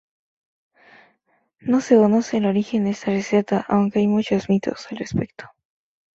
No se conoce el origen de esta receta, aunque hay muchos mitos al respecto.